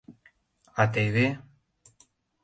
А теве: